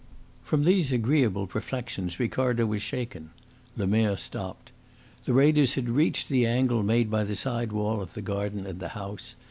From these agreeable reflections Ricardo was shaken. Lemerre stopped. The raiders had reached the angle made by the side wall of the garden and the house.